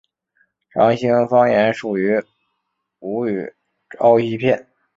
长兴方言属于吴语苕溪片。